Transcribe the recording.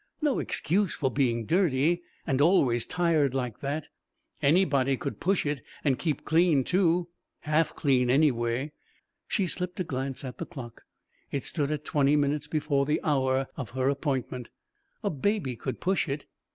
No excuse for being dirty and always tired like that. Anybody could push it and keep clean, too half clean, anyway." She slipped a glance at the clock. It stood at twenty minutes before the hour of her appointment. "A baby could push it...."